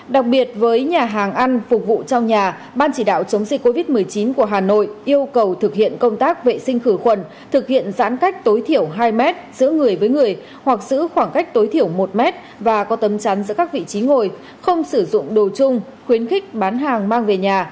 đặc biệt với nhà hàng ăn phục vụ trong nhà ban chỉ đạo chống dịch covid một mươi chín của hà nội yêu cầu thực hiện công tác vệ sinh khử khuẩn thực hiện giãn cách tối thiểu hai mét giữa người với người hoặc giữ khoảng cách tối thiểu một mét và có tấm chắn giữa các vị trí ngồi không sử dụng đồ chung khuyến khích bán hàng mang về nhà